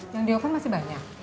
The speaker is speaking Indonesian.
yang di oven masih banyak